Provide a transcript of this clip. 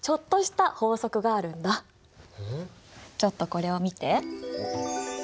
ちょっとこれを見て。